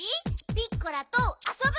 ピッコラとあそぶ？